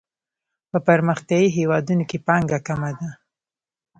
په پرمختیايي هیوادونو کې پانګه کمه ده.